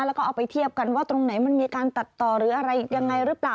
แล้วก็เอาไปเทียบกันว่าตรงไหนมันมีการตัดต่อหรืออะไรยังไงหรือเปล่า